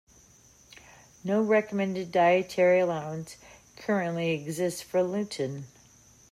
No recommended dietary allowance currently exists for lutein.